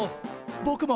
ぼくも！